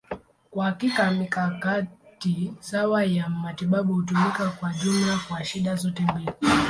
Kwa hakika, mikakati sawa ya matibabu hutumika kwa jumla kwa shida zote mbili.